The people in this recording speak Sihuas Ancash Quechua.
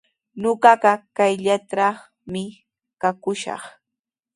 Ñuqaqa kayllatrawmi kakushaq.